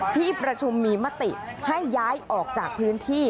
ที่ประชุมมีมติให้ย้ายออกจากพื้นที่